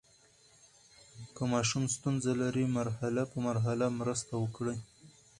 که ماشوم ستونزه لري، مرحله په مرحله مرسته وکړئ.